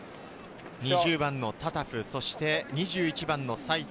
２０番のタタフ、そして２１番の齋藤。